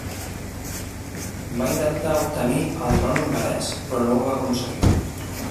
Va intentar obtenir el tron hongarès però no ho va aconseguir.